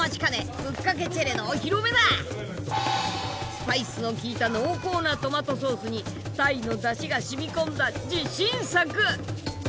スパイスの効いた濃厚なトマトソースにタイのだしが染み込んだ自信作！